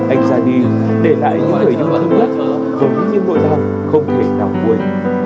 anh ra đi để lại những thời điểm hương ước hứng như mỗi lần không thể nào vui